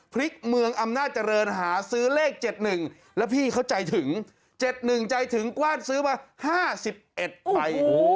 พลิกเมืองอำนาจเจริญหาซื้อเลข๗๑แล้วพี่เข้าใจถึง๗๑ใจถึงกว้านซื้อมา๕๑ใบ